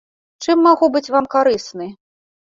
Чым магу быць вам карысны?